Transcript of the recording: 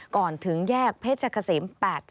ก่อนถึงแยกเพชรเกษม๘๐